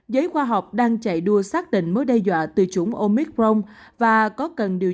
giới khoa học đang chạy đua xác định mối đe dọa từ chủng omicron và có cần điều